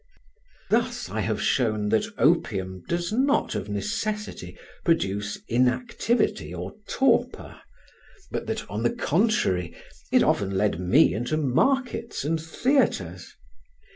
Thus I have shown that opium does not of necessity produce inactivity or torpor, but that, on the contrary, it often led me into markets and theatres.